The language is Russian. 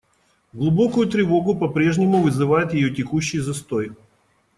Глубокую тревогу по-прежнему вызывает ее текущий застой.